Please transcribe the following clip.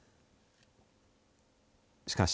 しかし、